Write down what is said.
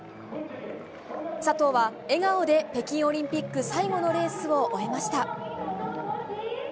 佐藤は笑顔で北京オリンピック最後のレースを終えました。